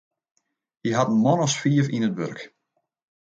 Hy hat in man as fiif yn it wurk.